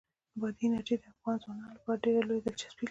بادي انرژي د افغان ځوانانو لپاره ډېره لویه دلچسپي لري.